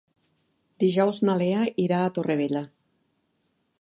Dijous na Lea irà a Torrevella.